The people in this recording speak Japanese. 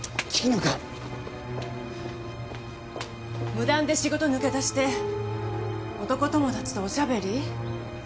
無断で仕事を抜け出して男友達とおしゃべり？